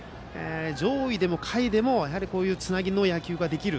上位でも下位でもこういうつなぎの野球ができる。